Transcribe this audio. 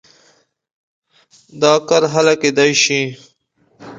دا کار هله کېدای شي.